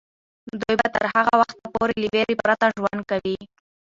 دوی به تر هغه وخته پورې له ویرې پرته ژوند کوي.